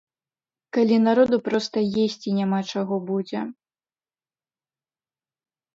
Калі народу проста есці няма чаго будзе.